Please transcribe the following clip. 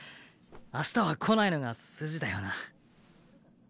明日は来ないのが筋だよな。